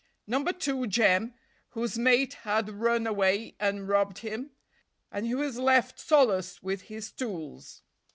ha! No. 2, Jem, whose mate had run away and robbed him, and he was left solus with his tools.